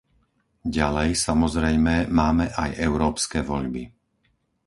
Ďalej, samozrejme, máme aj európske voľby.